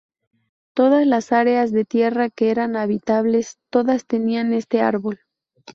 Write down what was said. Todas las áreas de tierra que eran habitables, todas tenían este árbol".